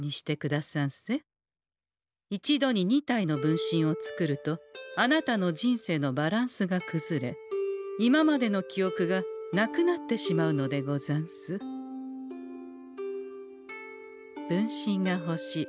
一度に２体の分身を作るとあなたの人生のバランスがくずれ今までのきおくがなくなってしまうのでござんす分身がほしい。